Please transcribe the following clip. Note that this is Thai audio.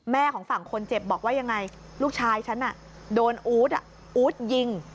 ของฝั่งคนเจ็บบอกว่ายังไงลูกชายฉันโดนอู๊ดอู๊ดยิง